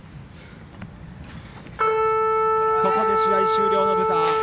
ここで試合終了のブザー。